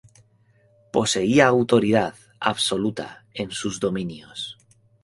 Poseía autoridad absoluta en sus dominios.